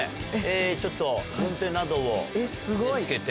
ちょっと軍手などを着けて。